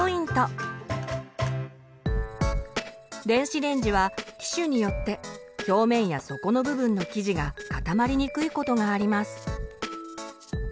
電子レンジは機種によって表面や底の部分の生地が固まりにくいことがあります。